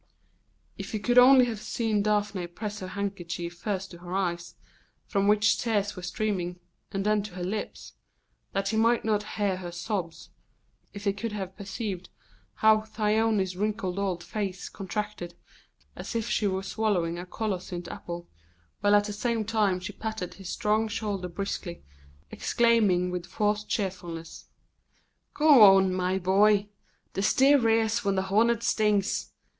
If he could only have seen Daphne press her handkerchief first to her eyes, from which tears were streaming, and then to her lips, that he might not hear her sobs, if he could have perceived how Thyone's wrinkled old face contracted as if she were swallowing a colocynth apple, while at the same time she patted his strong shoulder briskly, exclaiming with forced cheerfulness: "Go on, my boy! The steed rears when the hornet stings!